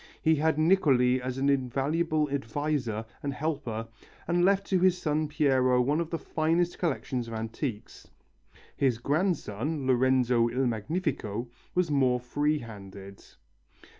He had Niccoli as an invaluable adviser and helper, and left to his son Piero one of the finest collections of antiques. His grandson, Lorenzo il Magnifico, was more free handed.